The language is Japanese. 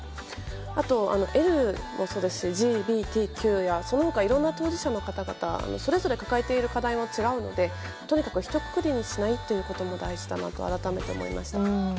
あと、ＬもそうですしＧＢＴＱやそのほかいろんな当事者の方々それぞれ抱えている課題も違いますしとにかくひとくくりにしないことも大事だなと改めて思いました。